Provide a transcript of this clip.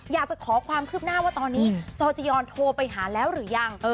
อยากจะขอความคืบหน้าว่าตอนนี้ซอจียอนโทรไปหาแล้วหรือยัง